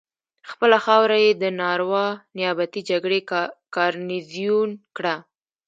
خپله خاوره یې د ناروا نیابتي جګړې ګارنیزیون کړه.